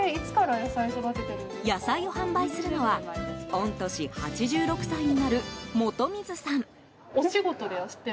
野菜を販売するのは御年８６歳になる本水さん。